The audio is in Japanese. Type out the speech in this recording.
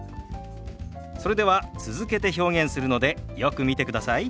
それでは続けて表現するのでよく見てください。